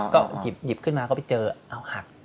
ก็หยิบขึ้นมาก็ไปเจอเอาหัก